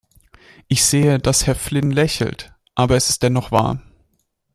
Ich sehe, dass Herr Flynn lächelt, aber es ist dennoch wahr !